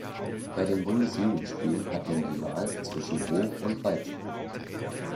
Bei den Bundesjugendspielen hat man die Wahl zwischen Hoch- und Weitsprung.